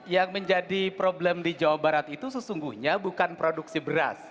yang menjadi problem di jawa barat itu sesungguhnya bukan produksi beras